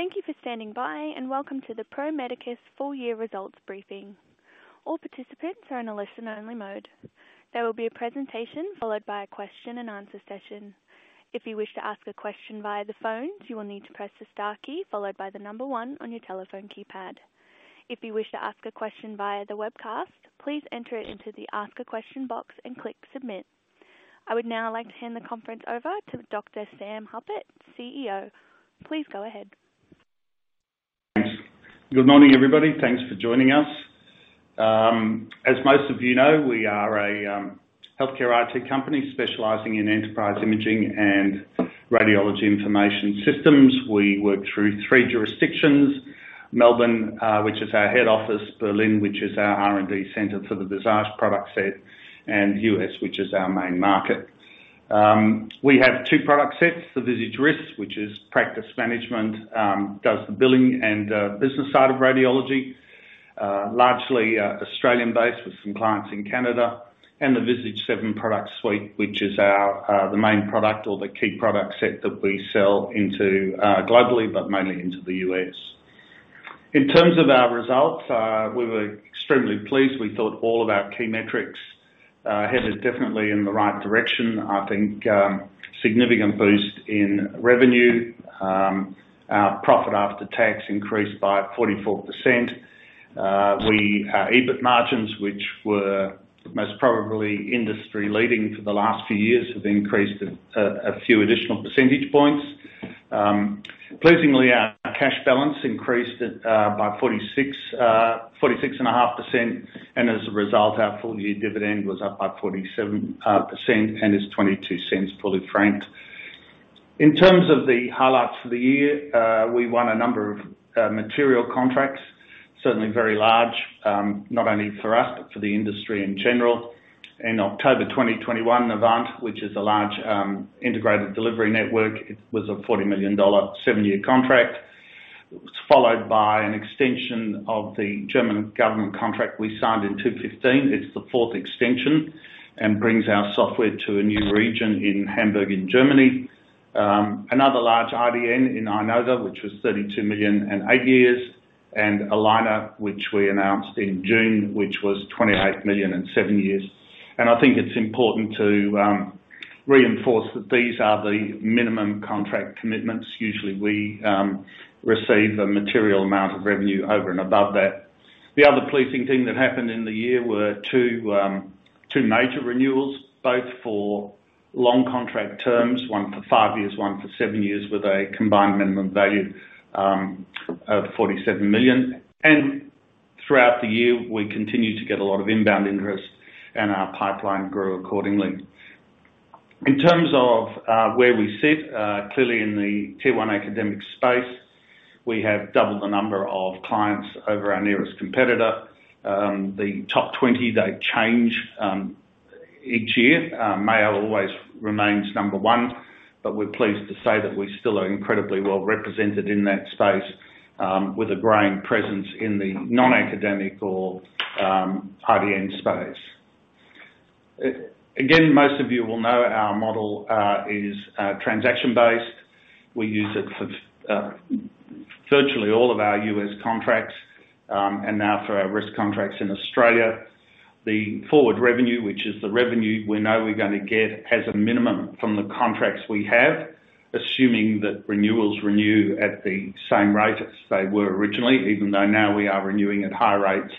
Thank you for standing by, and welcome to the Pro Medicus Full Year Results Briefing. All participants are in a listen-only mode. There will be a presentation followed by a question and answer session. If you wish to ask a question via the phone, you will need to press the star key followed by the number one on your telephone keypad. If you wish to ask a question via the webcast, please enter it into the Ask a Question box and click Submit. I would now like to hand the conference over to Dr. Sam Hupert, CEO. Please go ahead. Thanks. Good morning, everybody. Thanks for joining us. As most of you know, we are a healthcare IT company specializing in enterprise imaging and radiology information systems. We work through three jurisdictions, Melbourne, which is our head office, Berlin, which is our R&D center for the Visage product set, and US, which is our main market. We have two product sets, the Visage RIS, which is practice management, does the billing and business side of radiology, largely Australian-based with some clients in Canada, and the Visage Seven product suite, which is our the main product or the key product set that we sell into globally, but mainly into the US. In terms of our results, we were extremely pleased. We thought all of our key metrics headed definitely in the right direction. I think, significant boost in revenue, our profit after tax increased by 44%. Our EBIT margins, which were most probably industry-leading for the last few years, have increased a few additional percentage points. Pleasingly, our cash balance increased by 46.5%, and as a result, our full-year dividend was up by 47% and is 0.22 fully franked. In terms of the highlights for the year, we won a number of material contracts, certainly very large, not only for us but for the industry in general. In October 2021, Novant Health, which is a large integrated delivery network, it was a $40 million seven-year contract. It's followed by an extension of the German government contract we signed in 2015. It's the fourth extension and brings our software to a new region in Hamburg in Germany. Another large IDN in Inova, which was 32 million in eight years, and Allina, which we announced in June, which was 28 million in seven years. I think it's important to reinforce that these are the minimum contract commitments. Usually, we receive a material amount of revenue over and above that. The other pleasing thing that happened in the year were two major renewals, both for long contract terms, one for five years, one for seven years, with a combined minimum value of 47 million. Throughout the year, we continued to get a lot of inbound interest, and our pipeline grew accordingly. In terms of where we sit, clearly in the tier one academic space, we have doubled the number of clients over our nearest competitor. The top 20, they change each year. Mayo always remains number 1, but we're pleased to say that we still are incredibly well represented in that space, with a growing presence in the non-academic or IDN space. Again, most of you will know our model is transaction-based. We use it for virtually all of our U.S. contracts, and now for our RIS contracts in Australia. The forward revenue, which is the revenue we know we're gonna get as a minimum from the contracts we have, assuming that renewals renew at the same rate as they were originally, even though now we are renewing at higher rates,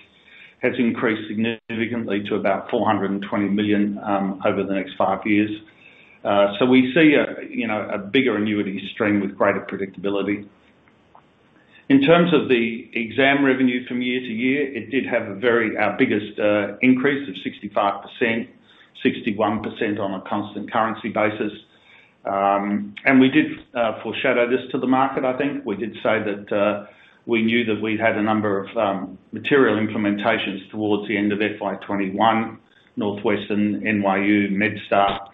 has increased significantly to about 420 million over the next 5 years. We see a, you know, a bigger annuity stream with greater predictability. In terms of the exam revenue from year to year, it did have our biggest increase of 65%, 61% on a constant currency basis. We did foreshadow this to the market, I think. We did say that we knew that we'd had a number of material implementations towards the end of FY 2021, Northwestern, NYU, MedStar,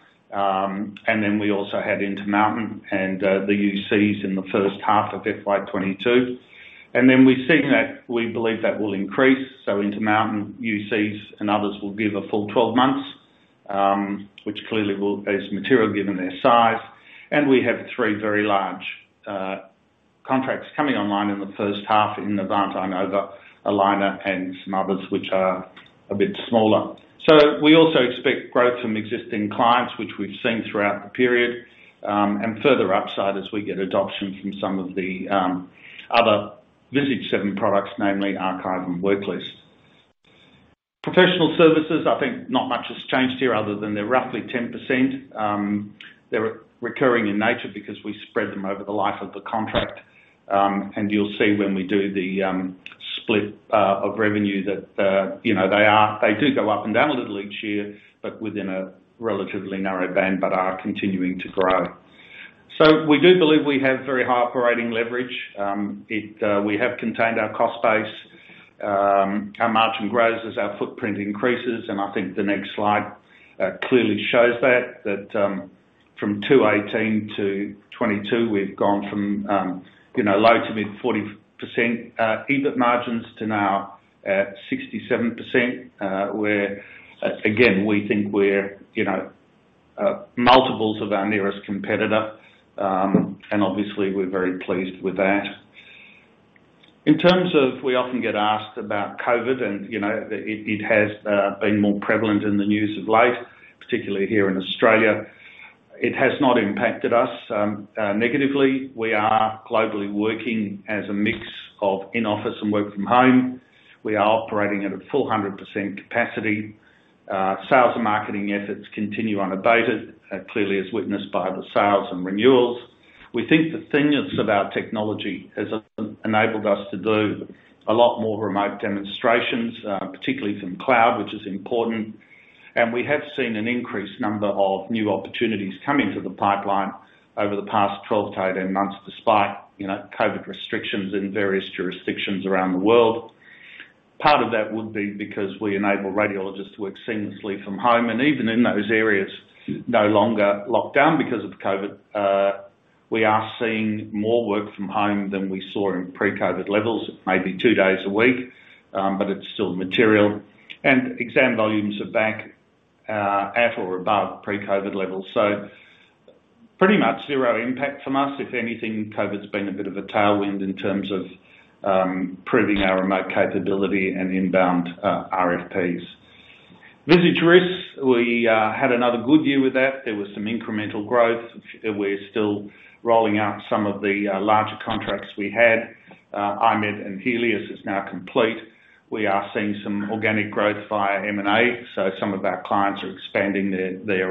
and then we also had Intermountain and the UCs in the first half of FY 2022. We've seen that we believe that will increase. Intermountain, UCs and others will give a full 12 months, which clearly is material given their size. We have three very large contracts coming online in the first half in Novant, Inova, Allina and some others which are a bit smaller. We also expect growth from existing clients, which we've seen throughout the period, and further upside as we get adoption from some of the other Visage 7 products, namely Archive and Worklist. Professional services, I think not much has changed here other than they're roughly 10%. They're recurring in nature because we spread them over the life of the contract. You'll see when we do the split of revenue that, you know, they do go up and down a little each year, but within a relatively narrow band, but are continuing to grow. We do believe we have very high operating leverage. We have contained our cost base. Our margin grows as our footprint increases, and I think the next slide clearly shows that from 2018 to 2022, we've gone from, you know, low- to mid-40% EBIT margins to now at 67%. Again, we think we're, you know, multiples of our nearest competitor, and obviously we're very pleased with that. In terms of we often get asked about COVID, and, you know, it has been more prevalent in the news of late, particularly here in Australia. It has not impacted us negatively. We are globally working as a mix of in-office and work from home. We are operating at a full 100% capacity. Sales and marketing efforts continue unabated, clearly as witnessed by the sales and renewals. We think the thinness of our technology has enabled us to do a lot more remote demonstrations, particularly from cloud, which is important. We have seen an increased number of new opportunities come into the pipeline over the past 12-18 months, despite, you know, COVID restrictions in various jurisdictions around the world. Part of that would be because we enable radiologists to work seamlessly from home, and even in those areas no longer locked down because of COVID. We are seeing more work from home than we saw in pre-COVID levels, maybe two days a week, but it's still material. Exam volumes are back at or above pre-COVID levels. Pretty much zero impact from us. If anything, COVID's been a bit of a tailwind in terms of proving our remote capability and inbound RFPs. Visage RIS, we had another good year with that. There was some incremental growth. We're still rolling out some of the larger contracts we had. I-MED and Healius is now complete. We are seeing some organic growth via M&A, so some of our clients are expanding their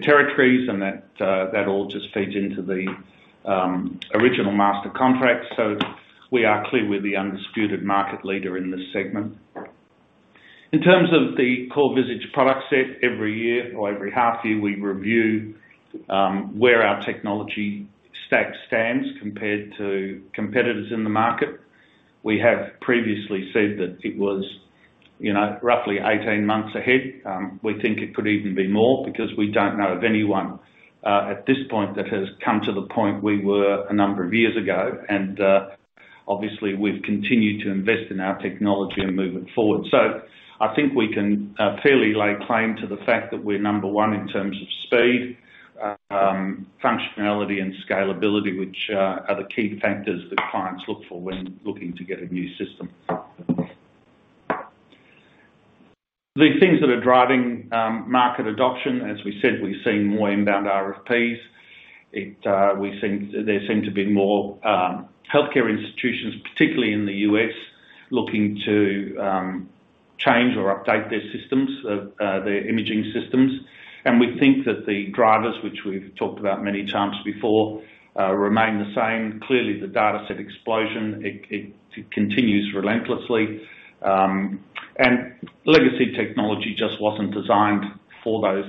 territories, and that all just feeds into the original master contract. We are clear we're the undisputed market leader in this segment. In terms of the core Visage product set, every year or every half year, we review where our technology stack stands compared to competitors in the market. We have previously said that it was, you know, roughly 18 months ahead. We think it could even be more because we don't know of anyone at this point that has come to the point we were a number of years ago. Obviously, we've continued to invest in our technology and move it forward. I think we can fairly lay claim to the fact that we're number one in terms of speed, functionality, and scalability, which are the key factors that clients look for when looking to get a new system. The things that are driving market adoption, as we said, we've seen more inbound RFPs. There seem to be more healthcare institutions, particularly in the U.S., looking to change or update their systems of their imaging systems. We think that the drivers, which we've talked about many times before, remain the same. Clearly, the dataset explosion continues relentlessly. Legacy technology just wasn't designed for those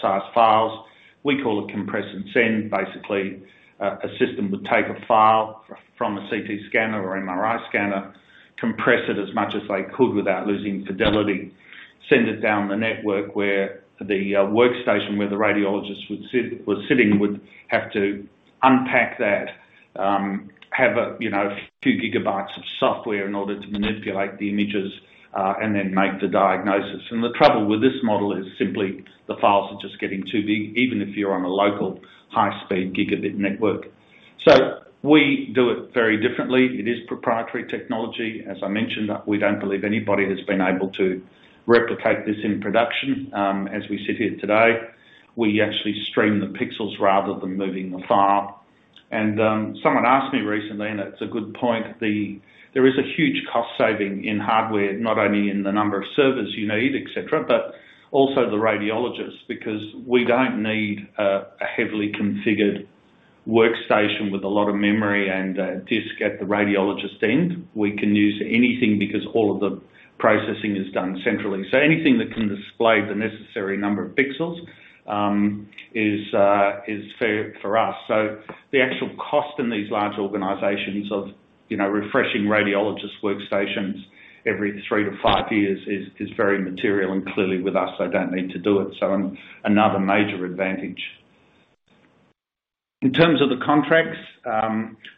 size files. We call it compress and send. Basically, a system would take a file from a CT scanner or MRI scanner, compress it as much as they could without losing fidelity, send it down the network where the workstation where the radiologist would sit would have to unpack that, you know, few gigabytes of software in order to manipulate the images, and then make the diagnosis. The trouble with this model is simply the files are just getting too big, even if you're on a local high-speed gigabit network. We do it very differently. It is proprietary technology. As I mentioned, we don't believe anybody has been able to replicate this in production. As we sit here today, we actually stream the pixels rather than moving the file. Someone asked me recently, and it's a good point, there is a huge cost-saving in hardware, not only in the number of servers you need, et cetera, but also the radiologists, because we don't need a heavily configured workstation with a lot of memory and disk at the radiologist end. We can use anything because all of the processing is done centrally. So anything that can display the necessary number of pixels is fair for us. So the actual cost in these large organizations of, you know, refreshing radiologist workstations every three to five years is very material, and clearly with us, they don't need to do it. So another major advantage. In terms of the contracts,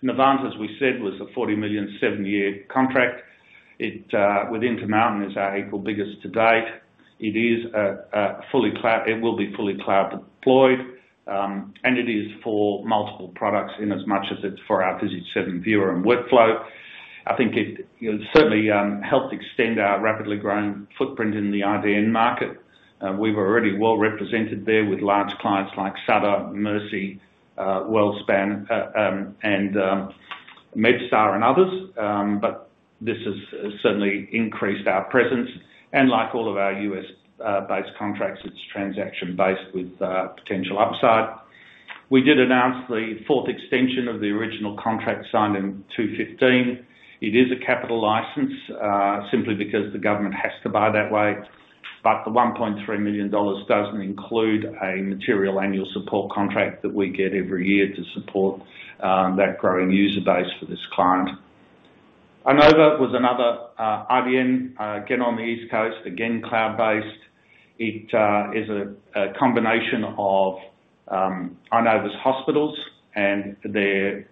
Novant, as we said, was a $40 million seven-year contract. It with Intermountain is our equal biggest to date. It will be fully cloud deployed, and it is for multiple products in as much as it's for our Visage Seven Viewer and Workflow. I think it you know certainly helped extend our rapidly growing footprint in the IDN market. We were already well represented there with large clients like Sutter, Mercy, WellSpan, and MedStar and others. But this has certainly increased our presence. Like all of our U.S. based contracts, it's transaction based with potential upside. We did announce the fourth extension of the original contract signed in 2015. It is a capital license, simply because the government has to buy that way, but the $1.3 million doesn't include a material annual support contract that we get every year to support that growing user base for this client. Inova was another IDN, again, on the East Coast, again, cloud-based. It is a combination of Inova Hospitals and their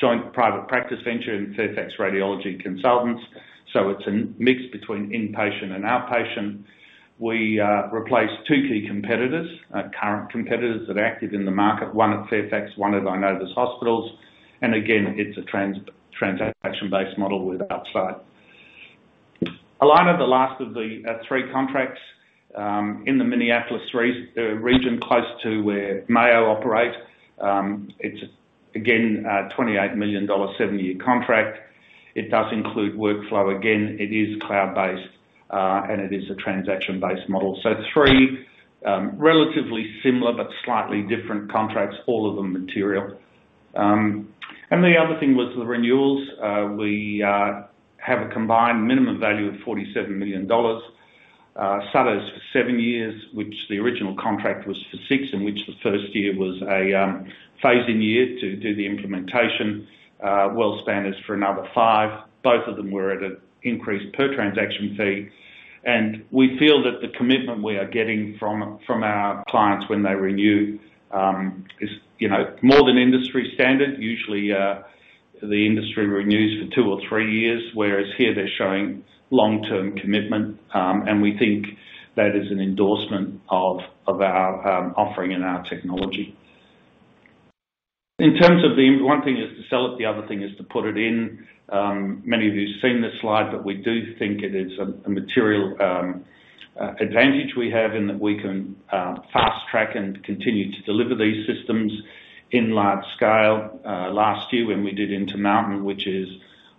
joint private practice venture in Fairfax Radiology Consultants. So it's a mix between inpatient and outpatient. We replaced two key competitors, current competitors that are active in the market, one at Fairfax, one at Inova Hospitals. Again, it's a transaction-based model with upside. Allina, the last of the three contracts, in the Minneapolis region close to where Mayo operate. It's again, a $28 million seven-year contract. It does include workflow. Again, it is cloud-based, and it is a transaction-based model. Three relatively similar but slightly different contracts, all of them material. The other thing was the renewals. We have a combined minimum value of $47 million. Sutter's for seven years, which the original contract was for six, in which the first year was a phase-in year to do the implementation. WellSpan's for another five. Both of them were at an increased per transaction fee. We feel that the commitment we are getting from our clients when they renew is, you know, more than industry standard. Usually, the industry renews for two or three years, whereas here they're showing long-term commitment. We think that is an endorsement of our offering and our technology. One thing is to sell it, the other thing is to put it in. Many of you've seen this slide, but we do think it is a material advantage we have in that we can fast track and continue to deliver these systems in large scale. Last year when we did Intermountain, which is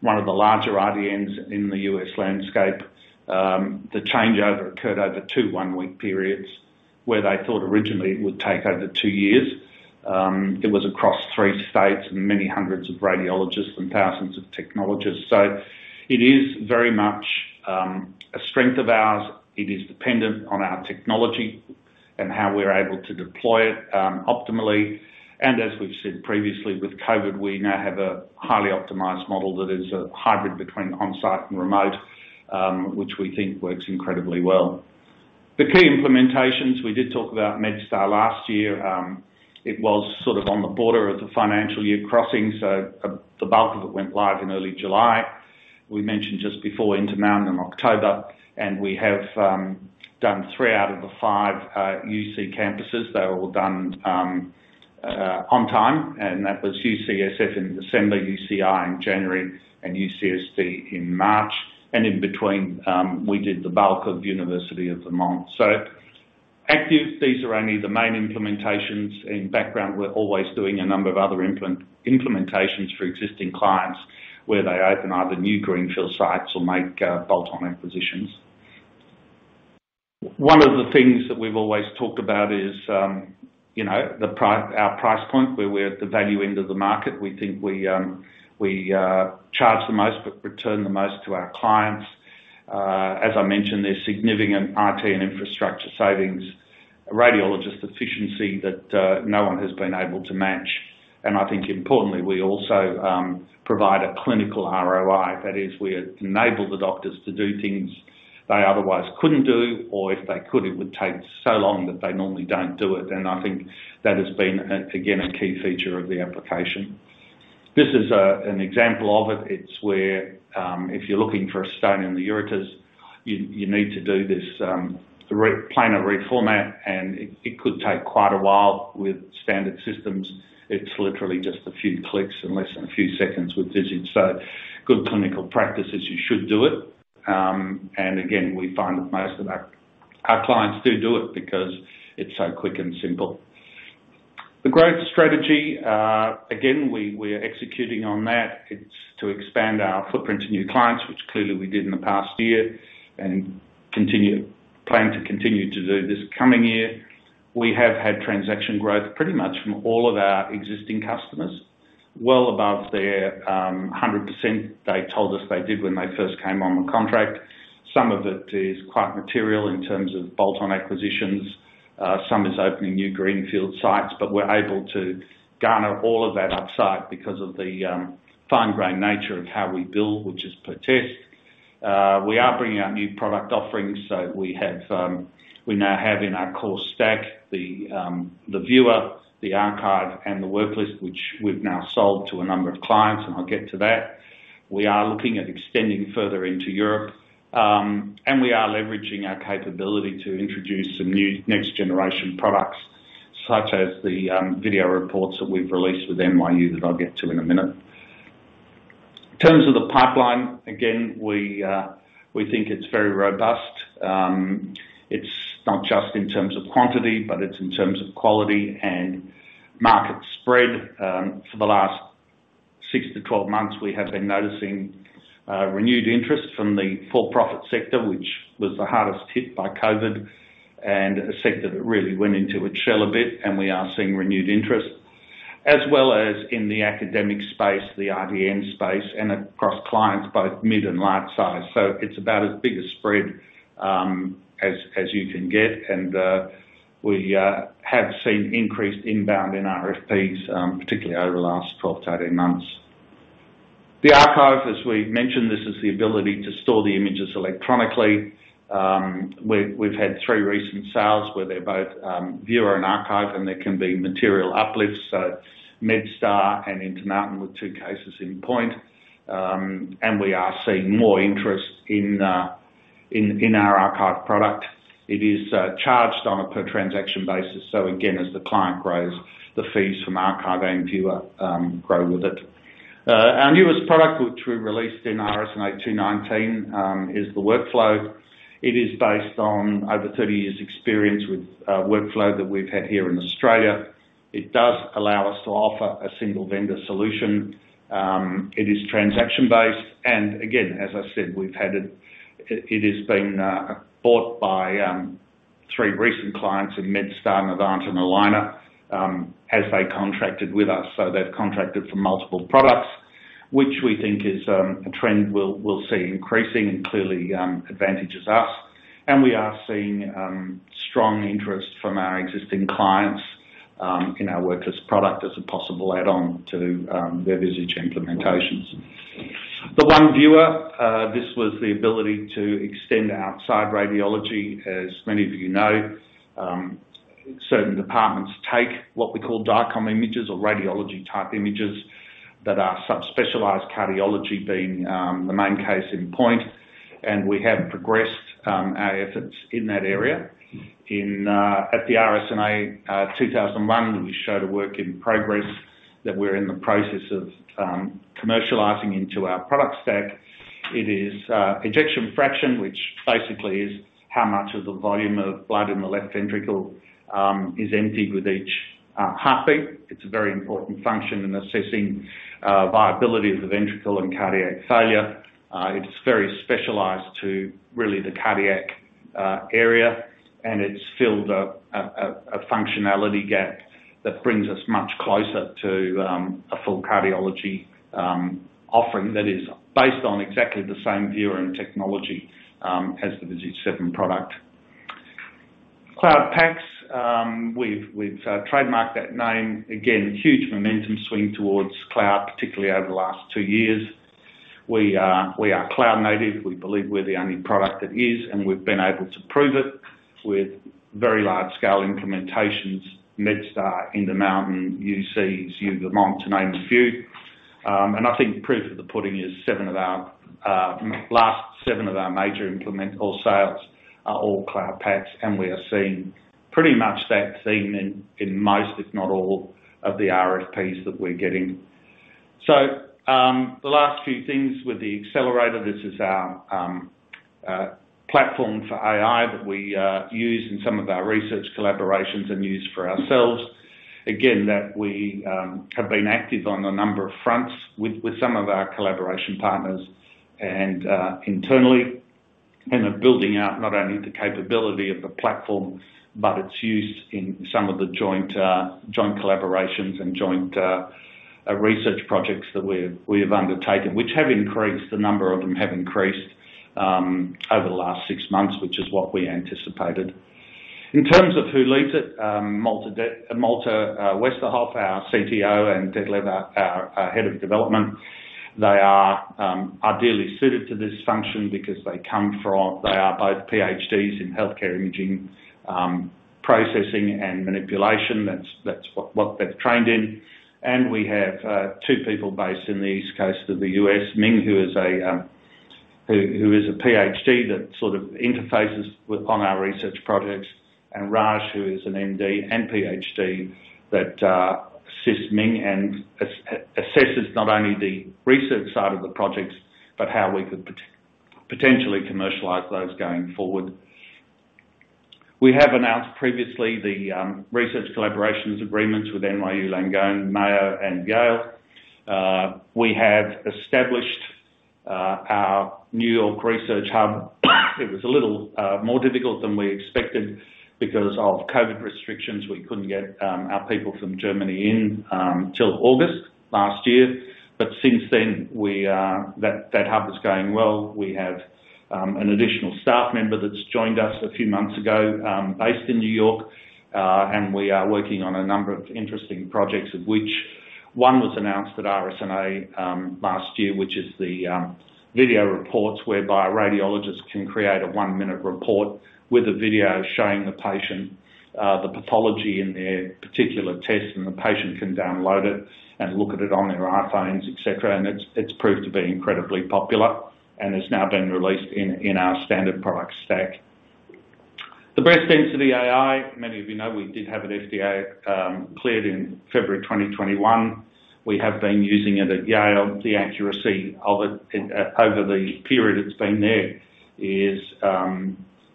one of the larger IDNs in the U.S. landscape, the changeover occurred over two one-week periods where they thought originally it would take over two years. It was across three states and many hundreds of radiologists and thousands of technologists. It is very much a strength of ours. It is dependent on our technology and how we're able to deploy it optimally. As we've said previously with COVID, we now have a highly optimized model that is a hybrid between on-site and remote, which we think works incredibly well. The key implementations, we did talk about MedStar last year. It was sort of on the border of the financial year crossing, so the bulk of it went live in early July. We mentioned just before Intermountain in October, and we have done three out of the five UC campuses. They were all done on time, and that was UCSF in December, UCI in January, and UCSD in March. In between, we did the bulk of University of Vermont. Active, these are only the main implementations. In background, we're always doing a number of other implementations for existing clients where they open either new greenfield sites or make bolt-on acquisitions. One of the things that we've always talked about is our price point, where we're at the value end of the market. We think we charge the most, but return the most to our clients. As I mentioned, there's significant IT and infrastructure savings, radiologist efficiency that no one has been able to match. I think importantly, we also provide a clinical ROI. That is, we enable the doctors to do things they otherwise couldn't do, or if they could, it would take so long that they normally don't do it. I think that has been a key feature of the application. This is an example of it. It's where if you're looking for a stone in the ureters, you need to do this planar reformat, and it could take quite a while with standard systems. It's literally just a few clicks and less than a few seconds with Visage 7. Good clinical practices, you should do it. Again, we find that most of our clients do it because it's so quick and simple. The growth strategy, again, we're executing on that. It's to expand our footprint to new clients, which clearly we did in the past year, and plan to continue to do this coming year. We have had transaction growth pretty much from all of our existing customers, well above their 100% they told us they did when they first came on the contract. Some of it is quite material in terms of bolt-on acquisitions. Some is opening new greenfield sites, but we're able to garner all of that upside because of the fine-grained nature of how we build, which is per test. We are bringing out new product offerings. We now have in our core stack the viewer, the archive, and the worklist, which we've now sold to a number of clients, and I'll get to that. We are looking at extending further into Europe. We are leveraging our capability to introduce some new next-generation products, such as the video reports that we've released with NYU that I'll get to in a minute. In terms of the pipeline, again, we think it's very robust. It's not just in terms of quantity, but it's in terms of quality and market spread. For the last six to 12 months, we have been noticing renewed interest from the for-profit sector, which was the hardest hit by COVID, and a sector that really went into its shell a bit, and we are seeing renewed interest, as well as in the academic space, the RDM space, and across clients, both mid and large size. It's about as big a spread as you can get. We have seen increased inbound in RFPs, particularly over the last 12-18 months. The archive, as we've mentioned, this is the ability to store the images electronically. We've had three recent sales where they're both viewer and archive, and there can be material uplifts, so MedStar and Intermountain were two cases in point. We are seeing more interest in our archive product. It is charged on a per transaction basis, so again, as the client grows, the fees from archive and viewer grow with it. Our newest product, which we released in RSNA 2019, is the workflow. It is based on over 30 years experience with workflow that we've had here in Australia. It does allow us to offer a single vendor solution. It is transaction-based and again, as I said, we've had it. It has been bought by three recent clients, MedStar, Novant, and Allina as they contracted with us. They've contracted for multiple products, which we think is a trend we'll see increasing and clearly advantages us. We are seeing strong interest from our existing clients in our worklist product as a possible add-on to their Visage implementations. The One Viewer, this was the ability to extend outside radiology. As many of you know, certain departments take what we call DICOM images or radiology-type images that are subspecialized cardiology being the main case in point. We have progressed our efforts in that area. At the RSNA in 2001, we showed a work in progress that we're in the process of commercializing into our product stack. It is ejection fraction, which basically is how much of the volume of blood in the left ventricle is emptied with each heartbeat. It's a very important function in assessing viability of the ventricle in cardiac failure. It's very specialized to really the cardiac area, and it's filled a functionality gap that brings us much closer to a full cardiology offering that is based on exactly the same viewer and technology as the Visage 7 product. CloudPACS, we've trademarked that name. Again, huge momentum swing towards cloud, particularly over the last two years. We are cloud native. We believe we're the only product that is, and we've been able to prove it with very large-scale implementations, MedStar, Intermountain, UC, U Vermont, to name a few. I think proof of the pudding is seven of our last seven major implementations or sales are all CloudPACS, and we are seeing pretty much that theme in most, if not all, of the RFPs that we're getting. The last few things with the Accelerator, this is our platform for AI that we use in some of our research collaborations and use for ourselves. Again, that we have been active on a number of fronts with some of our collaboration partners and internally in the building out not only the capability of the platform, but its use in some of the joint collaborations and joint research projects that we've undertaken, which have increased. The number of them have increased over the last six months, which is what we anticipated. In terms of who leads it, Malte Westerhoff, our CTO, and Detlev, our head of development, they are ideally suited to this function because they are both PhDs in healthcare imaging, processing, and manipulation. That's what they've trained in. We have two people based in the East Coast of the U.S., Ming, who is a PhD that sort of interfaces with on our research projects, and Raj, who is an MD and PhD that assists Ming and assesses not only the research side of the projects, but how we could potentially commercialize those going forward. We have announced previously the research collaborations agreements with NYU Langone, Mayo, and Yale. We have established our New York research hub. It was a little more difficult than we expected because of COVID restrictions. We couldn't get our people from Germany in till August last year. Since then, that hub is going well. We have an additional staff member that's joined us a few months ago based in New York, and we are working on a number of interesting projects, of which one was announced at RSNA last year, which is the video reports whereby a radiologist can create a one-minute report with a video showing the patient the pathology in their particular test, and the patient can download it and look at it on their iPhones, et cetera. It's proved to be incredibly popular and has now been released in our standard product stack. The breast density AI, many of you know, we did have an FDA cleared in February 2021. We have been using it at Yale. The accuracy of it over the period it's been there is,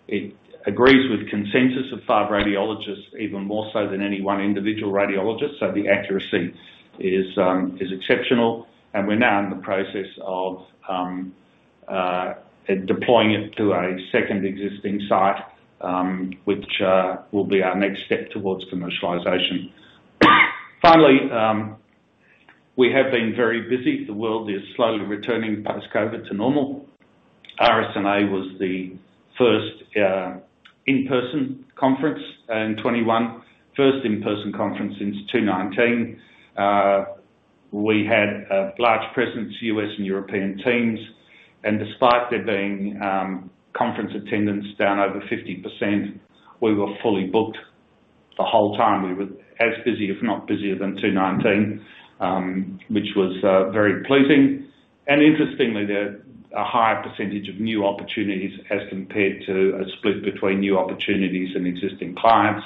it agrees with consensus of 5 radiologists, even more so than any one individual radiologist. So the accuracy is exceptional, and we're now in the process of deploying it to a second existing site, which will be our next step towards commercialization. Finally, we have been very busy. The world is slowly returning post-COVID to normal. RSNA was the first in-person conference in 2021. First in-person conference since 2019. We had a large presence, U.S. and European teams. Despite there being conference attendance down over 50%, we were fully booked the whole time. We were as busy, if not busier, than 2019, which was very pleasing. Interestingly, there are a higher percentage of new opportunities as compared to a split between new opportunities and existing clients.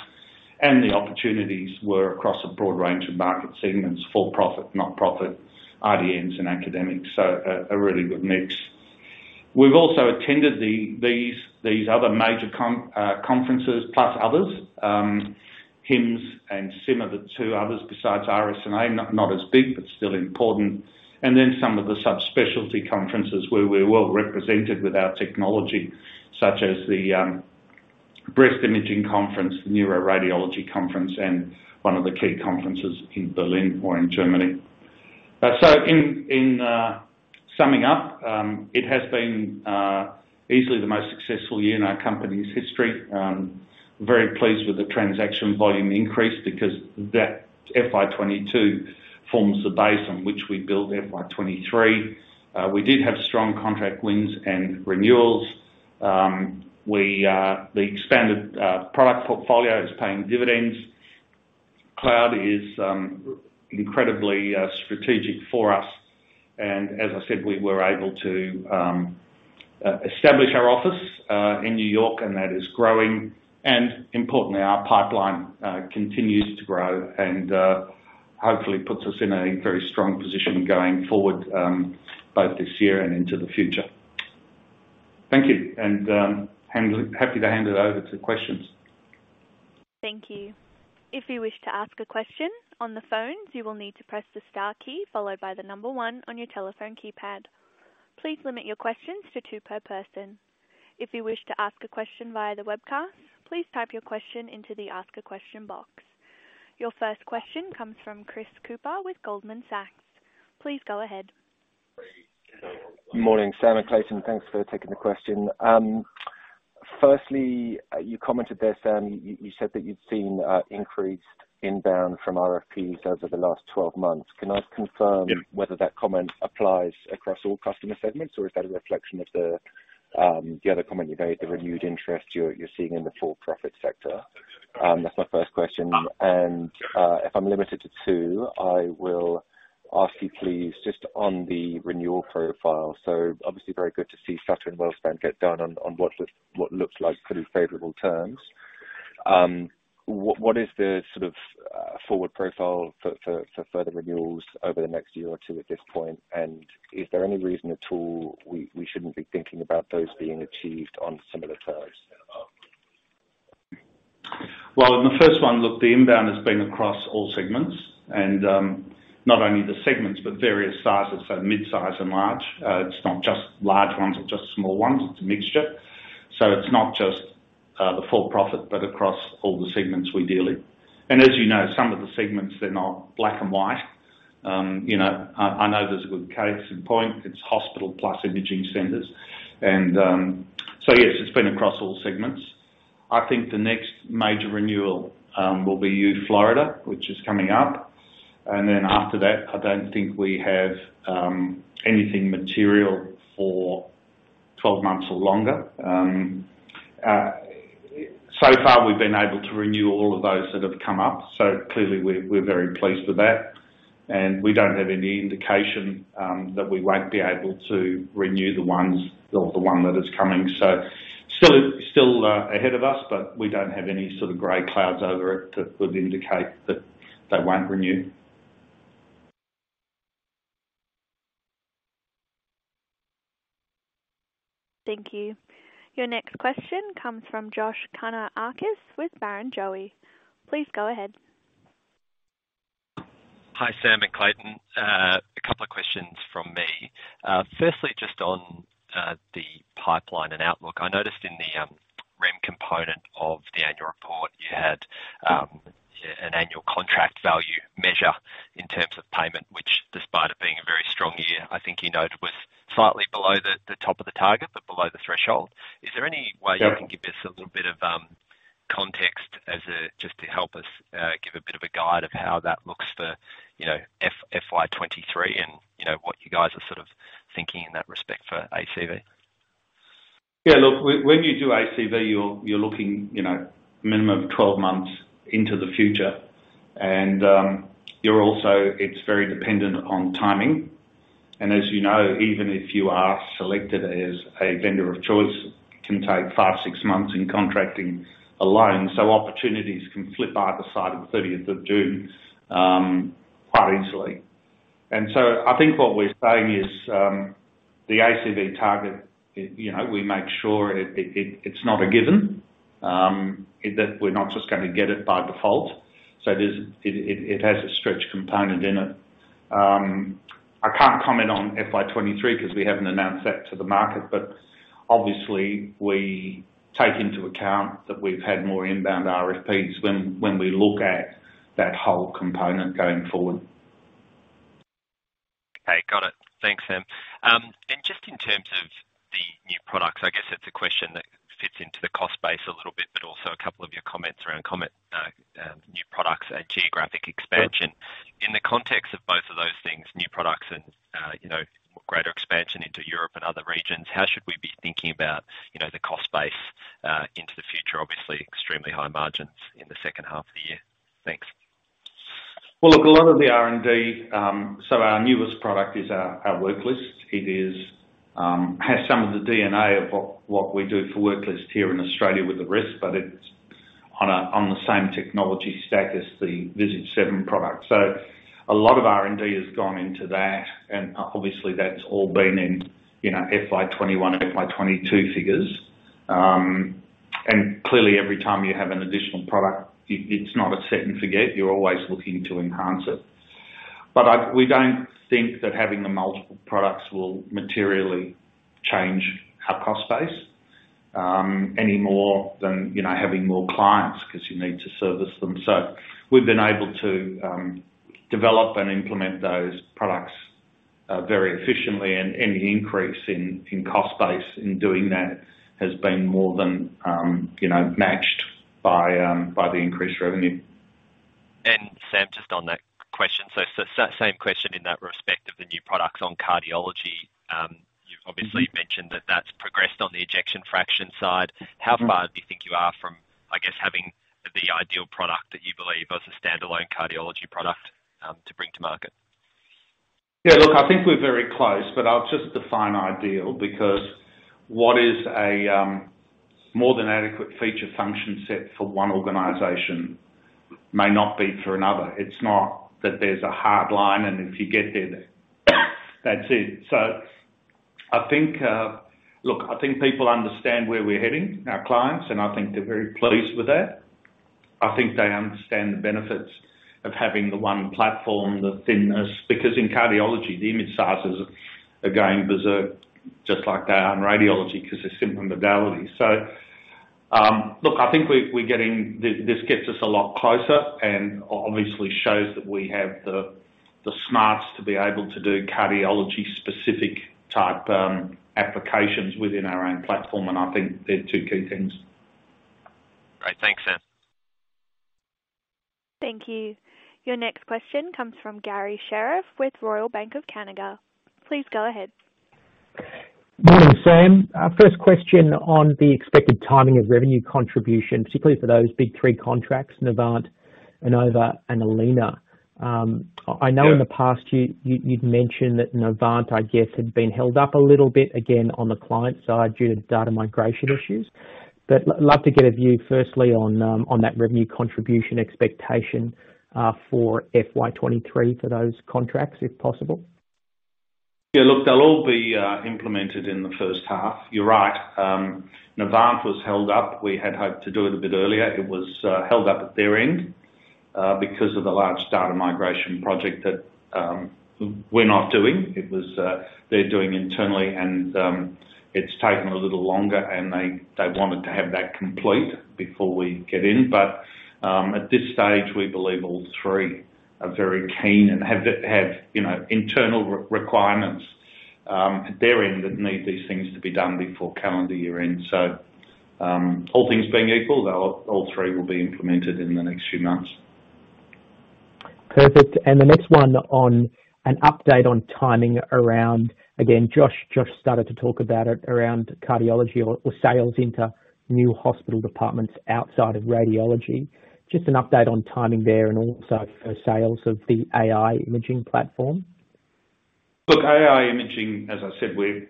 The opportunities were across a broad range of market segments, for-profit, nonprofit, IDNs, and academics. A really good mix. We've also attended these other major conferences, plus others. HIMSS and SIIM are the two others besides RSNA, not as big, but still important. Then some of the subspecialty conferences where we're well-represented with our technology, such as the Breast Imaging Conference, the Neuroradiology Conference, and one of the key conferences in Berlin or in Germany. Summing up, it has been easily the most successful year in our company's history. Very pleased with the transaction volume increase because that FY 2022 forms the base on which we build FY 2023. We did have strong contract wins and renewals. The expanded product portfolio is paying dividends. Cloud is incredibly strategic for us. As I said, we were able to establish our office in New York, and that is growing. Importantly, our pipeline continues to grow and hopefully puts us in a very strong position going forward, both this year and into the future. Thank you, happy to hand it over to questions. Thank you. If you wish to ask a question on the phone, you will need to press the star key followed by the number one on your telephone keypad. Please limit your questions to two per person. If you wish to ask a question via the webcast, please type your question into the ask a question box. Your first question comes from Chris Cooper with Goldman Sachs. Please go ahead. Good morning, Sam and Clayton. Thanks for taking the question. Firstly, you commented there, Sam, you said that you'd seen increased inbound from RFPs over the last 12 months. Can I confirm? Yep. Whether that comment applies across all customer segments, or is that a reflection of the other comment you made, the renewed interest you're seeing in the for-profit sector? That's my first question. Uh. If I'm limited to two, I will ask you, please, just on the renewal profile. Obviously very good to see Sutter and WellSpan get done on what looks like pretty favorable terms. What is the sort of forward profile for further renewals over the next year or two at this point? Is there any reason at all we shouldn't be thinking about those being achieved on similar terms? Well, on the first one, look, the inbound has been across all segments and not only the segments, but various sizes, so mid-size and large. It's not just large ones or just small ones. It's a mixture. It's not just the for-profit but across all the segments we deal in. As you know, some of the segments, they're not black and white. You know, I know there's a good case in point. It's hospital plus imaging centers. Yes, it's been across all segments. I think the next major renewal will be University of Florida Health, which is coming up. After that, I don't think we have anything material for 12 months or longer. So far, we've been able to renew all of those that have come up, so clearly we're very pleased with that. We don't have any indication that we won't be able to renew the ones or the one that is coming. Still ahead of us, but we don't have any sort of gray clouds over it to indicate that they won't renew. Thank you. Your next question comes from Josh Kannourakis with Barrenjoey. Please go ahead. Hi, Sam and Clayton. A couple of questions from me. Firstly, just on the pipeline and outlook. I noticed in the remuneration component of the annual report, you had an annual contract value measure in terms of payment, which despite it being a very strong year, I think you noted was slightly below the top of the target, but below the threshold. Is there any way? Yeah. You can give us a little bit of context as to just to help us give a bit of a guide of how that looks for, you know, FY 2023 and, you know, what you guys are sort of thinking in that respect for ACV? Yeah. Look, when you do ACV, you're looking, you know, minimum 12 months into the future. It's very dependent on timing. As you know, even if you are selected as a vendor of choice, can take 5-6 months in contracting alone. Opportunities can flip either side of the thirtieth of June quite easily. I think what we're saying is the ACV target, you know, we make sure it's not a given in that we're not just gonna get it by default. There's a stretch component in it. I can't comment on FY 2023 'cause we haven't announced that to the market. Obviously, we take into account that we've had more inbound RFPs when we look at that whole component going forward. Okay, got it. Thanks, Sam. Just in terms of the new products, I guess it's a question that fits into the cost base a little bit, but also a couple of your comments around new products and geographic expansion. In the context of both of those things, new products and, you know, greater expansion into Europe and other regions, how should we be thinking about, you know, the cost base into the future? Obviously extremely high margins in the second half of the year. Thanks. Well, look, a lot of the R&D, so our newest product is our worklist. It has some of the DNA of what we do for worklist here in Australia with the RIS, but it's on the same technology stack as the Visage 7 product. A lot of R&D has gone into that, and obviously that's all been in, you know, FY 2021 and FY 2022 figures. Clearly every time you have an additional product, it's not a set and forget. You're always looking to enhance it. We don't think that having the multiple products will materially change our cost base, any more than, you know, having more clients 'cause you need to service them. We've been able to develop and implement those products very efficiently, and any increase in cost base in doing that has been more than you know matched by the increased revenue. Sam, just on that question. Same question in that respect of the new products on cardiology. You've obviously mentioned that that's progressed on the ejection fraction side. How far do you think you are from, I guess, having the ideal product that you believe as a standalone cardiology product, to bring to market? Yeah, look, I think we're very close, but I'll just define ideal because what is a more than adequate feature function set for one organization may not be for another. It's not that there's a hard line and if you get there, that's it. I think, look, I think people understand where we're heading, our clients, and I think they're very pleased with that. I think they understand the benefits of having the one platform, the thinness, because in cardiology, the image sizes are going berserk just like they are in radiology 'cause they're similar modalities. look, I think we're getting this gets us a lot closer and obviously shows that we have the smarts to be able to do cardiology-specific type applications within our own platform. I think they're two key things. Great. Thanks, Sam. Thank you. Your next question comes from Garry Sherriff with Royal Bank of Canada. Please go ahead. Morning, Sam. Our first question on the expected timing of revenue contribution, particularly for those big three contracts, Novant, Inova, and Allina. I know. Yeah. In the past you'd mentioned that Novant, I guess, had been held up a little bit again on the client side due to data migration issues. I'd love to get a view firstly on that revenue contribution expectation for FY 2023 for those contracts, if possible. Yeah, look, they'll all be implemented in the first half. You're right. Novant was held up. We had hoped to do it a bit earlier. It was held up at their end because of the large data migration project that we're not doing. They're doing internally and it's taken a little longer, and they wanted to have that complete before we get in. At this stage, we believe all three are very keen and have the you know internal requirements at their end that need these things to be done before calendar year end. All things being equal, all three will be implemented in the next few months. Perfect. The next one on an update on timing around, again, Josh. Josh started to talk about it around cardiology or sales into new hospital departments outside of radiology. Just an update on timing there and also for sales of the AI imaging platform. Look, AI imaging, as I said, we're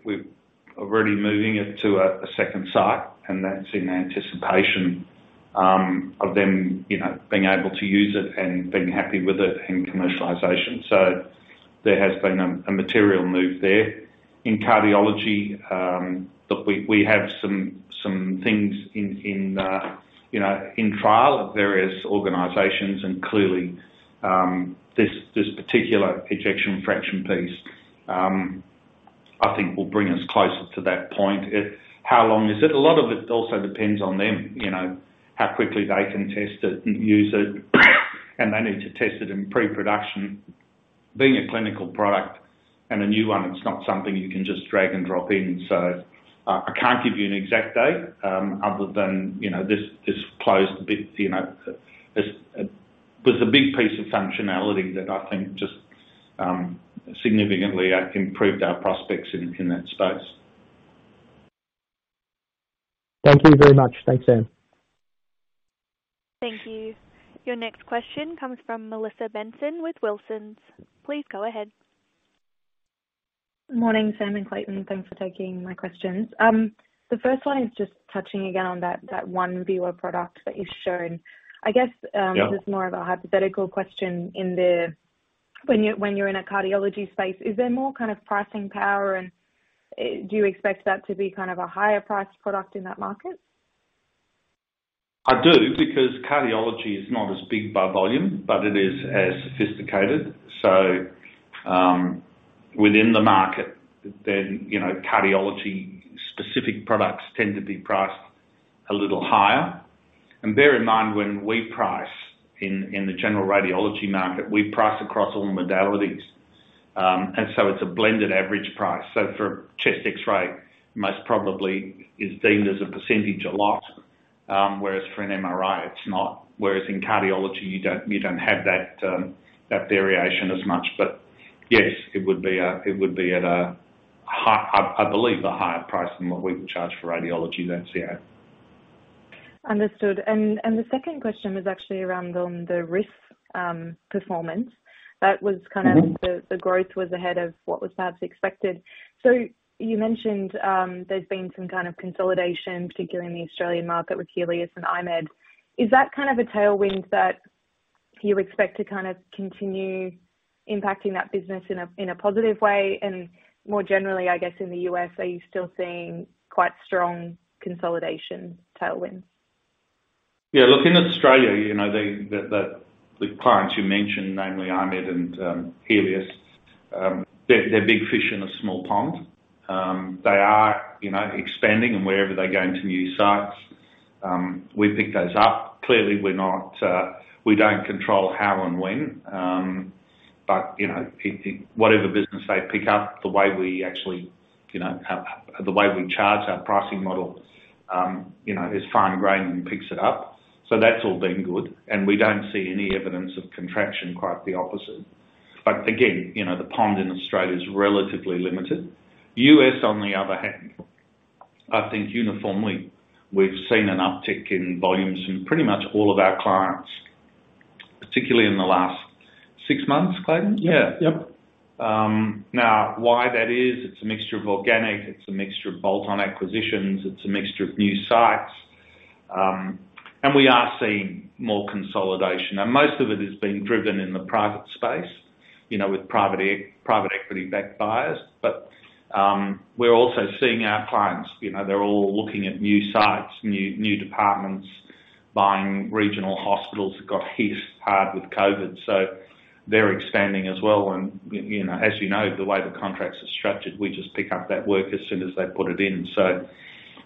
already moving it to a second site, and that's in anticipation of them, you know, being able to use it and being happy with it in commercialization. There has been a material move there. In cardiology, look, we have some things in trial at various organizations and clearly, this particular ejection fraction piece, I think will bring us closer to that point. How long is it? A lot of it also depends on them, you know, how quickly they can test it and use it, and they need to test it in pre-production. Being a clinical product and a new one, it's not something you can just drag and drop in. I can't give you an exact date, other than, you know, this closed bit, you know, this was a big piece of functionality that I think just significantly improved our prospects in that space. Thank you very much. Thanks, Sam. Thank you. Your next question comes from Melissa Benson with Wilsons. Please go ahead. Morning, Sam and Clayton. Thanks for taking my questions. The first one is just touching again on that One Viewer product that you've shown. I guess, Yeah. This is more of a hypothetical question when you're in a cardiology space. Is there more kind of pricing power and do you expect that to be kind of a higher priced product in that market? I do, because cardiology is not as big by volume, but it is as sophisticated. Within the market then, you know, cardiology specific products tend to be priced a little higher. Bear in mind, when we price in the general radiology market, we price across all modalities. It's a blended average price. For a chest X-ray, most probably is deemed as a percentage a lot, whereas for an MRI, it's not. Whereas in cardiology, you don't have that variation as much. Yes, it would be at a higher price than what we would charge for radiology. That's yeah. Understood. The second question was actually around on the risk performance. Mm-hmm. The growth was ahead of what was perhaps expected. You mentioned there's been some kind of consolidation, particularly in the Australian market with Healius and I-MED. Is that kind of a tailwind that you expect to kind of continue impacting that business in a positive way? More generally, I guess, in the US, are you still seeing quite strong consolidation tailwinds? Yeah, look, in Australia, you know, the clients you mentioned, namely I-MED and Healius, they're big fish in a small pond. They are, you know, expanding and wherever they go into new sites, we pick those up. Clearly, we don't control how and when, but you know, whatever business they pick up, the way we actually you know, the way we charge our pricing model you know, is fine-grained and picks it up. So that's all been good. We don't see any evidence of contraction, quite the opposite. Again, you know, the pond in Australia is relatively limited. US, on the other hand, I think uniformly, we've seen an uptick in volumes from pretty much all of our clients, particularly in the last six months, Clayton? Yeah. Yep. Now, why that is? It's a mixture of organic, it's a mixture of bolt-on acquisitions, it's a mixture of new sites. We are seeing more consolidation. Most of it is being driven in the private space, you know, with private equity-backed buyers. We're also seeing our clients, you know, they're all looking at new sites, new departments, buying regional hospitals that got hit hard with COVID. They're expanding as well. You know, as you know, the way the contracts are structured, we just pick up that work as soon as they put it in.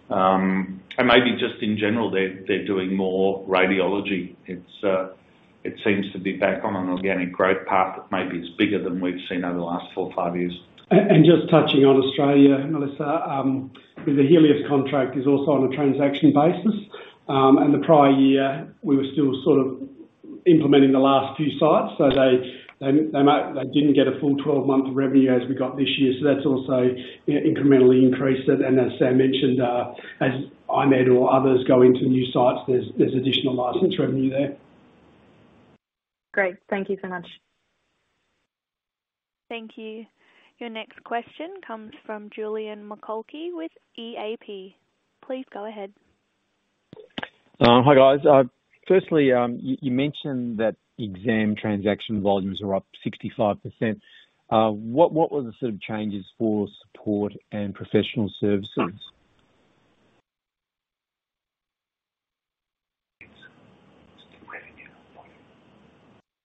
Maybe just in general, they're doing more radiology. It seems to be back on an organic growth path that maybe is bigger than we've seen over the last four or five years. Just touching on Australia, Melissa, with the Healius contract is also on a transaction basis. The prior year, we were still sort of implementing the last few sites. They didn't get a full 12-month revenue as we got this year. That's also incrementally increased it. As Sam mentioned, as I-MED or others go into new sites, there's additional license revenue there. Great. Thank you so much. Thank you. Your next question comes from Julian Mulcahy with E&P. Please go ahead. Hi, guys. Firstly, you mentioned that exam transaction volumes are up 65%. What were the sort of changes for support and professional services?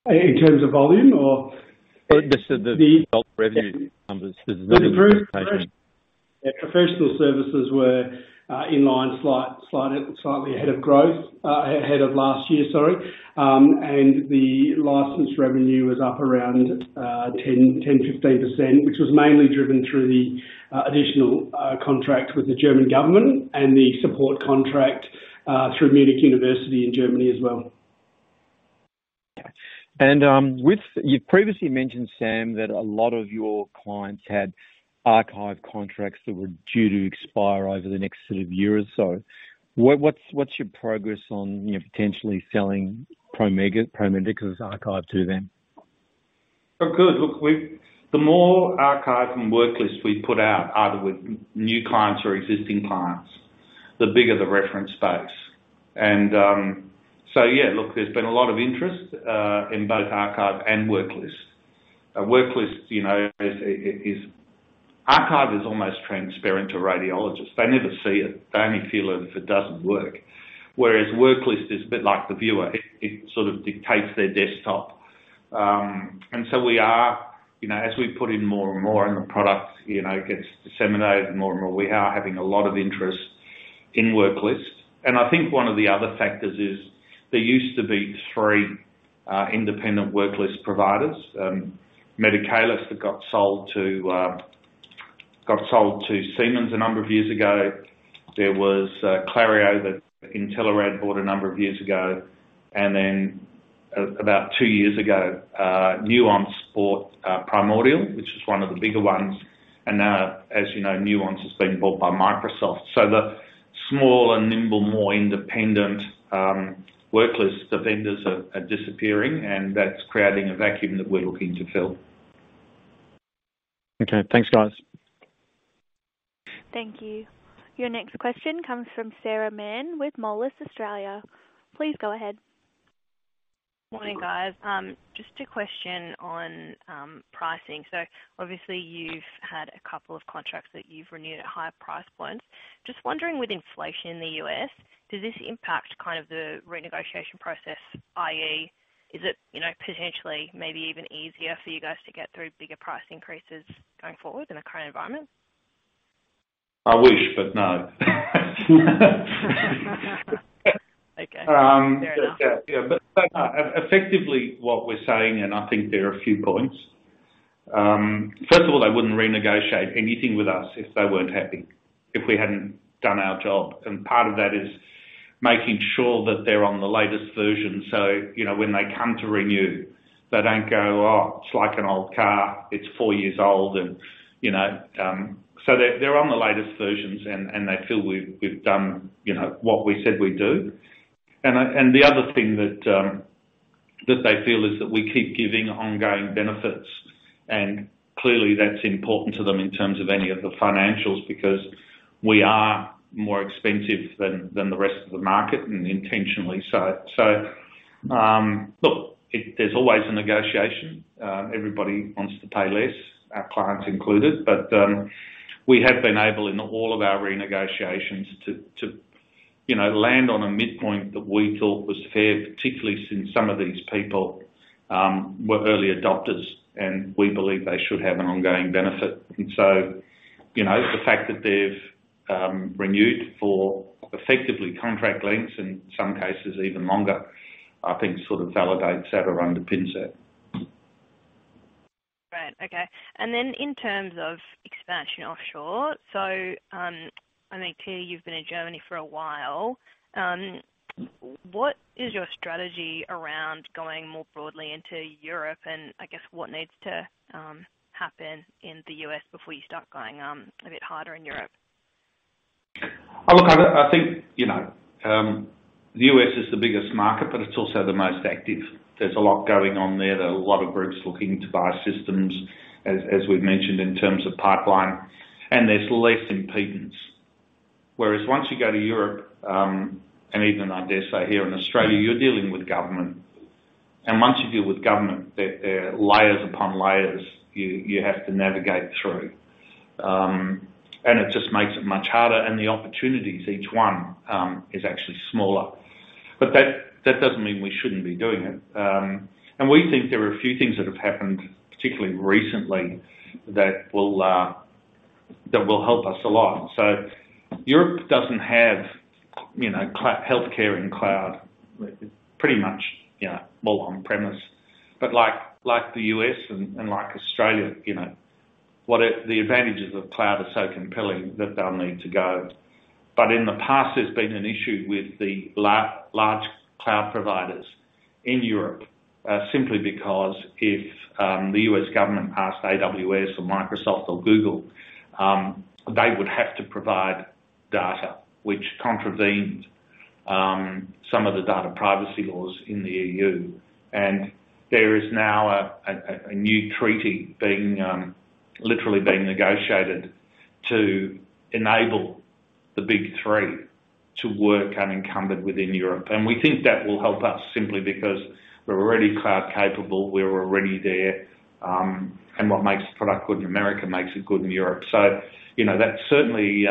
In terms of volume or- Just the recurring revenue numbers, the visibility presentation. The professional services were in line slightly ahead of growth ahead of last year, sorry. The license revenue was up around 10%-15%, which was mainly driven through the additional contract with the German government and the support contract through LMU Klinikum in Germany as well. You've previously mentioned, Sam, that a lot of your clients had archive contracts that were due to expire over the next sort of year or so. What's your progress on, you know, potentially selling Pro Medicus archive to them? Oh, good. Look, we've the more archives and worklist we put out, either with new clients or existing clients, the bigger the reference space. So yeah, look, there's been a lot of interest in both archive and worklist. A worklist, you know, is. Archive is almost transparent to radiologists. They never see it. They only feel it if it doesn't work. Whereas worklist is a bit like the viewer. It sort of dictates their desktop. We are, you know, as we put in more and more in the product, you know, gets disseminated more and more. We are having a lot of interest in worklist. I think one of the other factors is there used to be three independent worklist providers. Medicalis that got sold to Siemens a number of years ago. There was Clario that Intelerad bought a number of years ago. Then about two years ago, Nuance bought Primordial, which is one of the bigger ones. Now, as you know, Nuance has been bought by Microsoft. The small and nimble, more independent, worklist vendors are disappearing, and that's creating a vacuum that we're looking to fill. Okay. Thanks, guys. Thank you. Your next question comes from Sarah Mann with Moelis Australia. Please go ahead. Morning, guys. Just a question on pricing. Obviously you've had a couple of contracts that you've renewed at higher price points. Just wondering, with inflation in the U.S., does this impact kind of the renegotiation process, i.e., is it, you know, potentially maybe even easier for you guys to get through bigger price increases going forward in the current environment? I wish, but no. Okay. Fair enough. Yeah, but effectively what we're saying, and I think there are a few points. First of all, they wouldn't renegotiate anything with us if they weren't happy, if we hadn't done our job. Part of that is making sure that they're on the latest version. You know, when they come to renew, they don't go, "Oh, it's like an old car. It's four years old." You know, they're on the latest versions and they feel we've done, you know, what we said we'd do. The other thing that they feel is that we keep giving ongoing benefits. Clearly that's important to them in terms of any of the financials, because we are more expensive than the rest of the market and intentionally so. Look, there's always a negotiation. Everybody wants to pay less, our clients included. We have been able in all of our renegotiations to you know land on a midpoint that we thought was fair, particularly since some of these people were early adopters, and we believe they should have an ongoing benefit. You know, the fact that they've renewed for effectively contract lengths in some cases even longer, I think sort of validates that or underpins it. Great. Okay. In terms of expansion offshore, I think here you've been in Germany for a while. What is your strategy around going more broadly into Europe? I guess what needs to happen in the US before you start going a bit harder in Europe? Look, I think, you know, the US is the biggest market, but it's also the most active. There's a lot going on there. There are a lot of groups looking to buy systems, as we've mentioned in terms of pipeline. There's less impediment. Whereas once you go to Europe, and even I dare say here in Australia, you're dealing with government. Once you deal with government, there are layers upon layers you have to navigate through. It just makes it much harder. The opportunities, each one, is actually smaller. That doesn't mean we shouldn't be doing it. We think there are a few things that have happened, particularly recently, that will help us a lot. Europe doesn't have, you know, healthcare in cloud pretty much, you know, more on-premise. Like the U.S. and like Australia, you know, the advantages of cloud are so compelling that they'll need to go. In the past there's been an issue with the large cloud providers in Europe, simply because if the U.S. government passed AWS or Microsoft or Google, they would have to provide data which contravened some of the data privacy laws in the EU. There is now a new treaty being literally negotiated to enable the Big Three to work unencumbered within Europe. We think that will help us simply because we're already cloud capable, we're already there. What makes the product good in America makes it good in Europe. You know, that certainly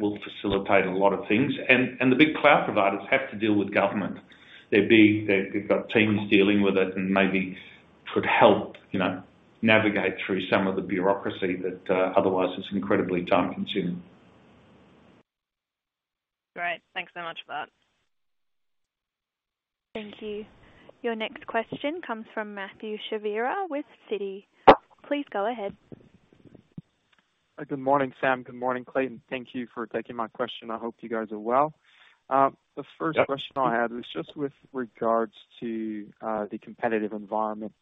will facilitate a lot of things. The big cloud providers have to deal with government. They're big. They've got teams dealing with it and maybe could help, you know, navigate through some of the bureaucracy that otherwise is incredibly time consuming. Great. Thanks so much for that. Thank you. Your next question comes from Mathieu Chevrier with Citi. Please go ahead. Good morning, Sam. Good morning, Clayton. Thank you for taking my question. I hope you guys are well. The first question. Yep. I had was just with regards to the competitive environment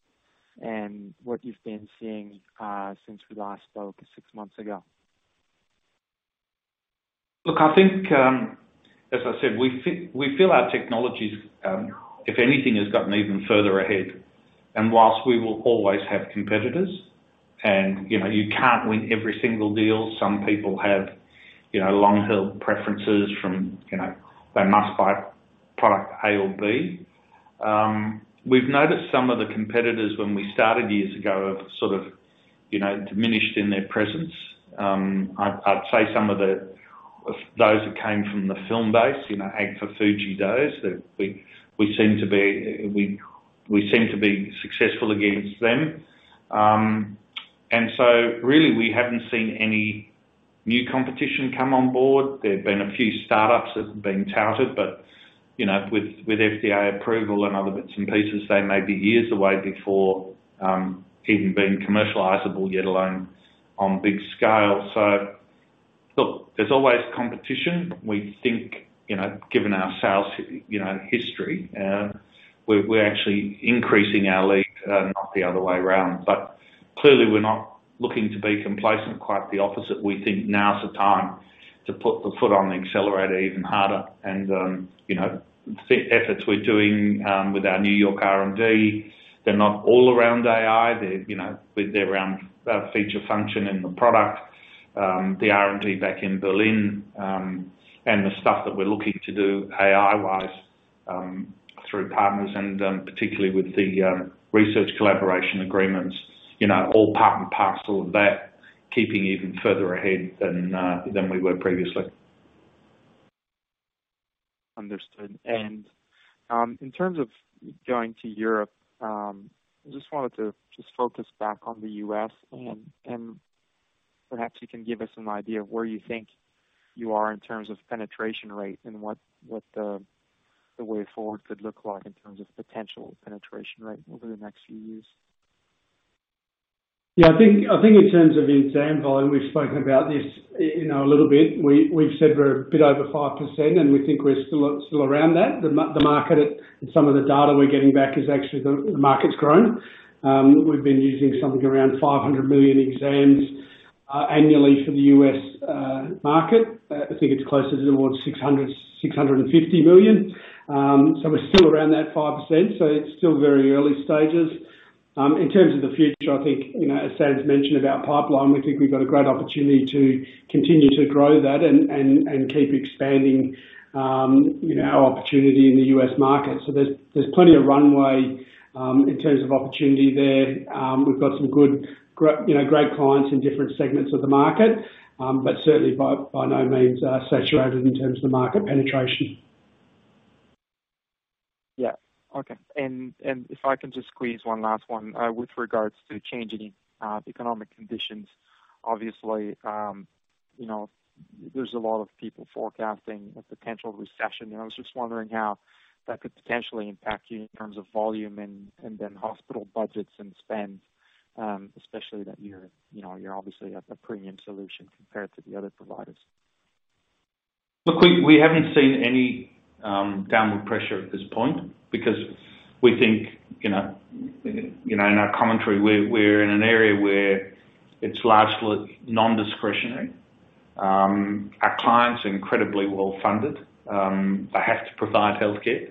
and what you've been seeing since we last spoke six months ago. Look, I think, as I said, we feel our technologies, if anything, has gotten even further ahead. Whilst we will always have competitors and, you know, you can't win every single deal, some people have, you know, long-held preferences from, you know, they must buy product A or B. We've noticed some of the competitors when we started years ago have sort of, you know, diminished in their presence. I'd say some of the, those who came from the film base, you know, Agfa/Fuji days, that we seem to be successful against them. Really we haven't seen any new competition come on board. There have been a few startups that have been touted, but you know, with FDA approval and other bits and pieces, they may be years away before even being commercializable, let alone on big scale. Look, there's always competition. We think, you know, given our sales, you know, history, we're actually increasing our lead and not the other way around. Clearly we're not looking to be complacent. Quite the opposite. We think now is the time to put the foot on the accelerator even harder, and you know, the efforts we're doing with our New York R&D, they're not all around AI. They're around feature function and the product. The R&D back in Berlin, and the stuff that we're looking to do AI-wise, through partners and, particularly with the research collaboration agreements, you know, all part and parcel of that keeping even further ahead than we were previously. Understood. In terms of going to Europe, I just wanted to just focus back on the US and perhaps you can give us an idea of where you think you are in terms of penetration rate and what the way forward could look like in terms of potential penetration rate over the next few years. Yeah, I think in terms of exam volume, we've spoken about this, you know, a little bit. We've said we're a bit over 5%, and we think we're still around that. The market and some of the data we're getting back is actually the market's grown. We've been using something around 500 million exams annually for the US market. I think it's closer towards 600-650 million. We're still around that 5%, so it's still very early stages. In terms of the future, I think, you know, as Sam's mentioned about pipeline, we think we've got a great opportunity to continue to grow that and keep expanding, you know, our opportunity in the US market. There's plenty of runway in terms of opportunity there. We've got some good, you know, great clients in different segments of the market. Certainly by no means saturated in terms of the market penetration. Yeah. Okay. If I can just squeeze one last one, with regards to changing the economic conditions. Obviously, you know, there's a lot of people forecasting a potential recession. I was just wondering how that could potentially impact you in terms of volume and then hospital budgets and spend, especially that you're, you know, you're obviously at the premium solution compared to the other providers. Look, we haven't seen any downward pressure at this point because we think, you know, in our commentary, we're in an area where it's largely non-discretionary. Our clients are incredibly well funded. They have to provide healthcare,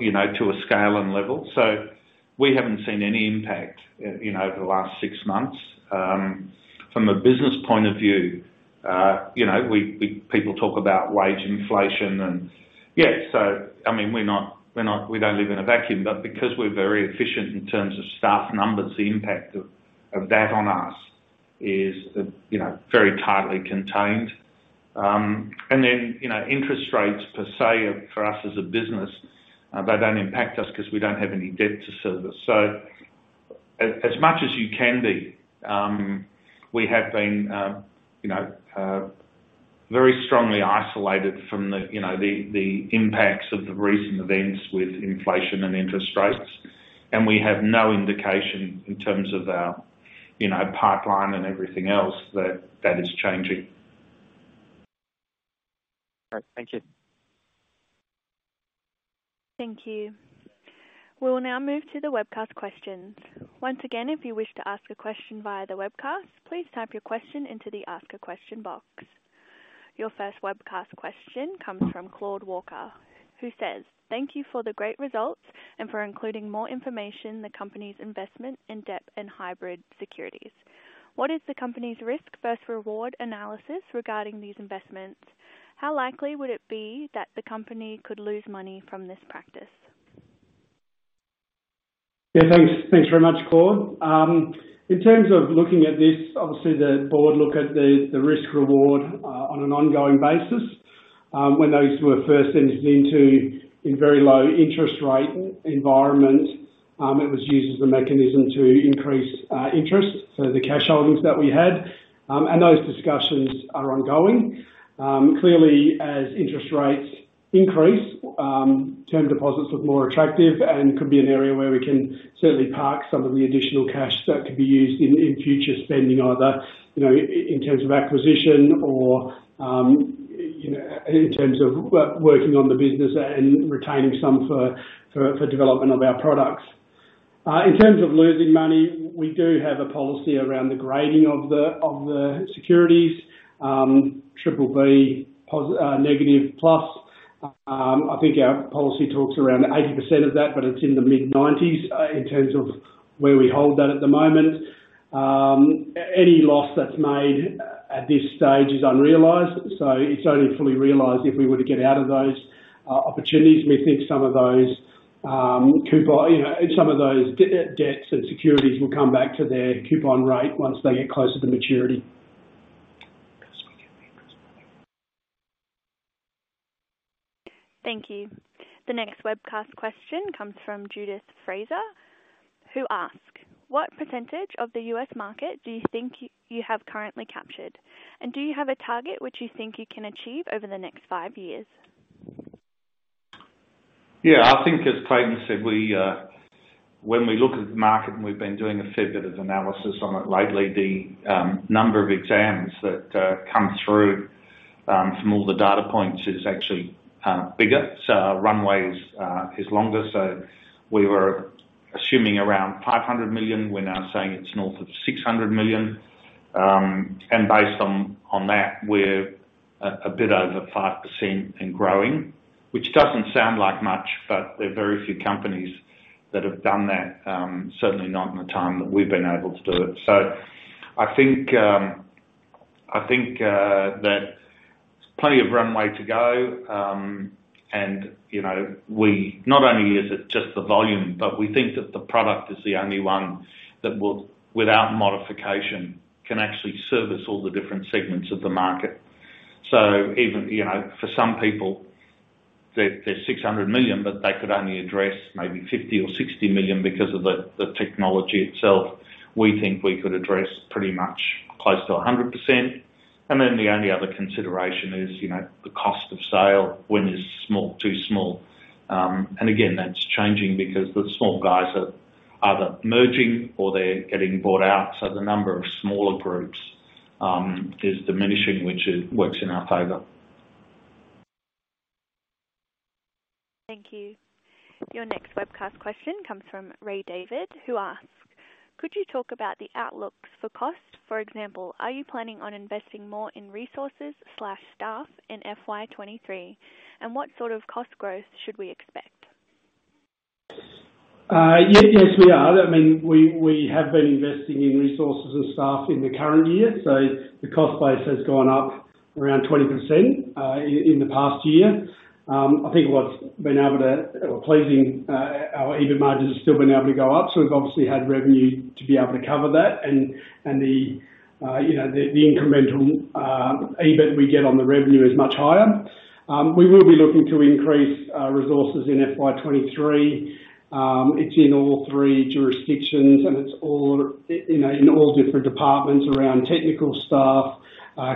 you know, to a scale and level. We haven't seen any impact, you know, over the last six months. From a business point of view, you know, people talk about wage inflation. Yeah, so I mean, we're not, we don't live in a vacuum, but because we're very efficient in terms of staff numbers, the impact of that on us is, you know, very tightly contained. Then, you know, interest rates per se for us as a business, they don't impact us 'cause we don't have any debt to service. As much as you can be, we have been, you know, very strongly isolated from the, you know, the impacts of the recent events with inflation and interest rates. We have no indication in terms of our, you know, pipeline and everything else that is changing. Great. Thank you. Thank you. We will now move to the webcast questions. Once again, if you wish to ask a question via the webcast, please type your question into the Ask a Question box. Your first webcast question comes from Claude Walker, who says, "Thank you for the great results and for including more information, the company's investment in debt and hybrid securities. What is the company's risk versus reward analysis regarding these investments? How likely would it be that the company could lose money from this practice? Yeah. Thanks, thanks very much, Claude. In terms of looking at this, obviously the board look at the risk reward on an ongoing basis. When those were first entered into in very low interest rate environment, it was used as a mechanism to increase interest, so the cash holdings that we had. Those discussions are ongoing. Clearly, as interest rates increase, term deposits look more attractive and could be an area where we can certainly park some of the additional cash that could be used in future spending, either, you know, in terms of acquisition or, you know, in terms of working on the business and retaining some for development of our products. In terms of losing money, we do have a policy around the grading of the securities, BBB-. I think our policy talks around 80% of that, but it's in the mid-90s in terms of where we hold that at the moment. Any loss that's made at this stage is unrealized, so it's only fully realized if we were to get out of those opportunities. We think some of those, you know, some of those debts and securities will come back to their coupon rate once they get closer to maturity. Thank you. The next webcast question comes from Judith Fraser, who asked, "What percentage of the US market do you think you have currently captured? And do you have a target which you think you can achieve over the next five years? Yeah. I think as Clayton said, we when we look at the market and we've been doing a fair bit of analysis on it lately, the number of exams that come through from all the data points is actually bigger. Our runway is longer. We were assuming around 500 million. We're now saying it's north of 600 million. And based on that, we're a bit over 5% and growing, which doesn't sound like much, but there are very few companies that have done that, certainly not in the time that we've been able to do it. I think that there's plenty of runway to go. You know, not only is it just the volume, but we think that the product is the only one that will, without modification, can actually service all the different segments of the market. Even, you know, for some people, there's 600 million, but they could only address maybe 50 or 60 million because of the technology itself. We think we could address pretty much close to 100%. Then the only other consideration is, you know, the cost of sale when it's small, too small. Again, that's changing because the small guys are either merging or they're getting bought out. The number of smaller groups is diminishing, which it works in our favor. Thank you. Your next webcast question comes from Ray David, who asks, "Could you talk about the outlook for cost? For example, are you planning on investing more in resources/staff in FY 2023? And what sort of cost growth should we expect? Yes, we are. I mean, we have been investing in resources and staff in the current year, so the cost base has gone up around 20% in the past year. I think what's been pleasing, our EBIT margins have still been able to go up, so we've obviously had revenue to be able to cover that and the incremental EBIT we get on the revenue is much higher. We will be looking to increase resources in FY 2023. It's in all three jurisdictions, and it's all in all different departments around technical staff,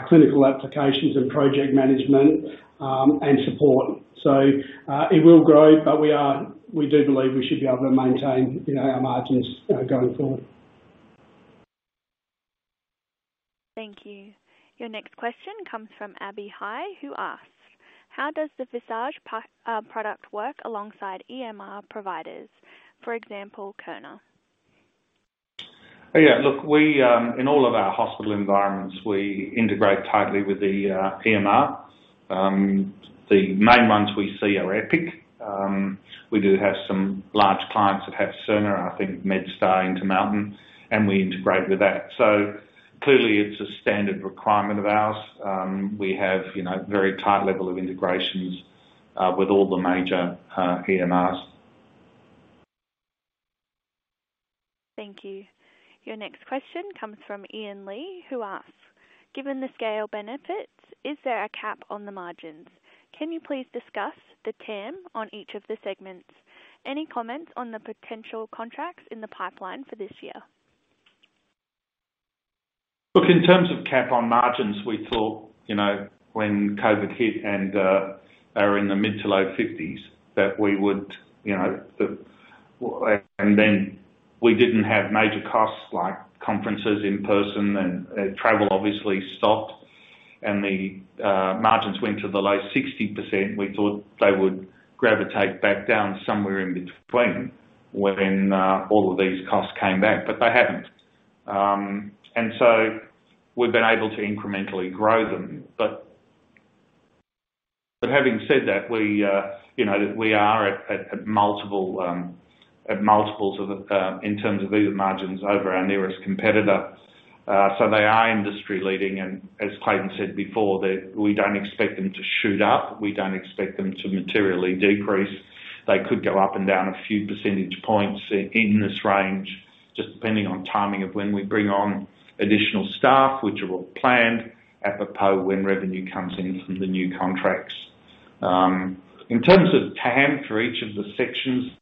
clinical applications and project management, and support. It will grow, but we do believe we should be able to maintain our margins going forward. Thank you. Your next question comes from Abby He, who asks, "How does the Visage product work alongside EMR providers, for example, Cerner? Yeah. Look, we integrate tightly with the EMR in all of our hospital environments. The main ones we see are Epic. We do have some large clients that have Cerner, I think MedStar, Intermountain, and we integrate with that. Clearly it's a standard requirement of ours. We have, you know, very tight level of integrations with all the major EMRs. Thank you. Your next question comes from Ian Lee, who asks, "Given the scale benefits, is there a cap on the margins? Can you please discuss the TAM on each of the segments? Any comments on the potential contracts in the pipeline for this year? Look, in terms of cap on margins, we thought, you know, when COVID hit and they were in the mid- to low-50s%, that we would, you know, and then we didn't have major costs like conferences in person and travel obviously stopped and the margins went to the low 60%. We thought they would gravitate back down somewhere in between when all of these costs came back, but they haven't. And so we've been able to incrementally grow them. But having said that, we, you know, we are at multiples of the in terms of EBIT margins over our nearest competitor. So they are industry leading and as Clayton said before, they, we don't expect them to shoot up. We don't expect them to materially decrease. They could go up and down a few percentage points in this range, just depending on timing of when we bring on additional staff, which are all planned, apropos when revenue comes in from the new contracts. In terms of TAM for each of the sections,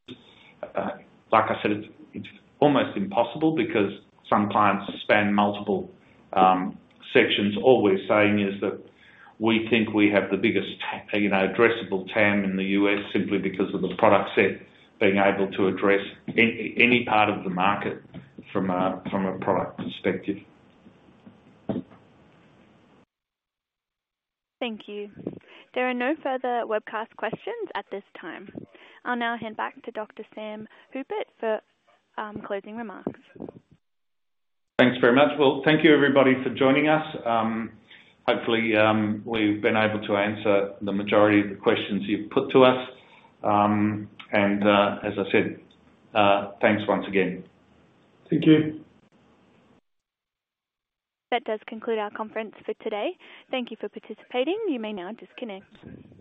like I said, it's almost impossible because some clients span multiple sections. All we're saying is that we think we have the biggest, you know, addressable TAM in the U.S. simply because of the product set being able to address any part of the market from a product perspective. Thank you. There are no further webcast questions at this time. I'll now hand back to Dr. Sam Hupert for closing remarks. Thanks very much. Well, thank you everybody for joining us. Hopefully, we've been able to answer the majority of the questions you've put to us. As I said, thanks once again. Thank you. That does conclude our conference for today. Thank you for participating. You may now disconnect.